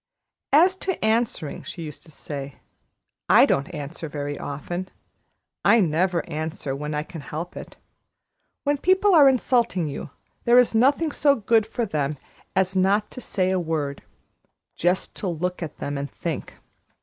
"As to answering," she used to say, "I don't answer very often. I never answer when I can help it. When people are insulting you, there is nothing so good for them as not to say a word just to look at them and think.